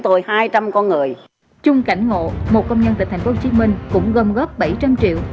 trung cảnh ngộ một công nhân tịch thành phố hồ chí minh cũng gom góp bảy trăm linh triệu